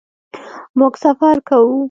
مونږ فکر کوو